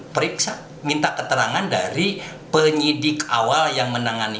periksa minta keterangan dari penyidik awal yang menangani